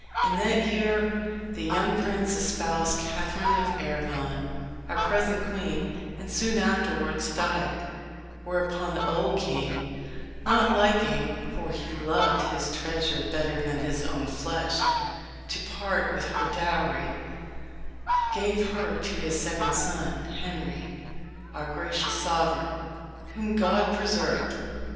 In that year the young prince espoused Catherine of Arragon, our present queen, and soon afterwards died; whereupon the old king, not liking for he loved his treasure better than his own flesh to part with her dowry, gave her to his second son, Henry, our gracious sovereign, whom God preserve!